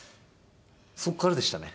そこからでしたね